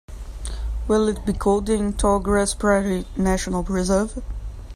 Will it be colder in Tallgrass Prairie National Preserve?